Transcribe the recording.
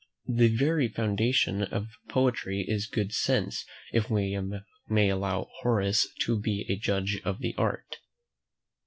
The very foundation of poetry is good sense, if we may allow Horace to be a judge of the art.